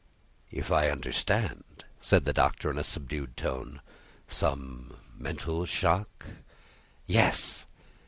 "If I understand," said the Doctor, in a subdued tone, "some mental shock ?" "Yes!"